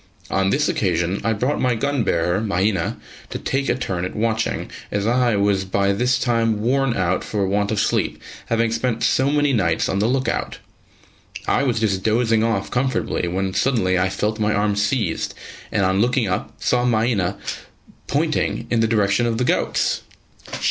On this occasion I brought my gun bearer, Mahina, to take a turn at watching, as I was by this time worn out for want of sleep, having spent so many nights on the look out. I was just dozing off comfortably when suddenly I felt my arm seized, and on looking up saw Mahina pointing in the direction of the goats.